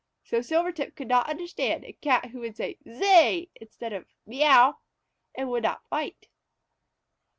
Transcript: So Silvertip could not understand a Cat who said "Zeay!" instead of "Meouw!" and would not fight.